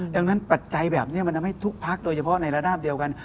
ดังนั้นปัจจัยแบบนี้มันทำให้ทุกพักโดยเฉพาะในระดาบเดียวกัน